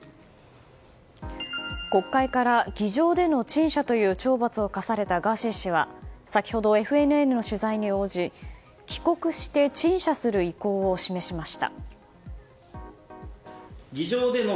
国会から議場での陳謝という懲罰を科されたガーシー氏は先ほど、ＦＮＮの取材に応じ帰国して陳謝する意向を示しました。